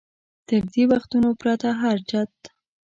تر دې وختونو پرته هر چت.